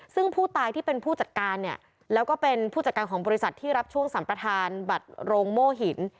ซึ่งผู้ตายที่เป็นผู้จัดการเนี่ยแล้วก็เป็นผู้จัดการของบริษัทที่รับช่วงสัมประธานบัตรโรงโม่หิน